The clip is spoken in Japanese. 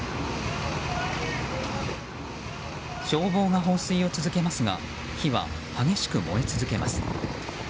消防が放水を続けますが火は激しく燃え続けます。